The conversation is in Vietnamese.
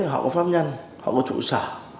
họ có pháp nhân họ có trụ sở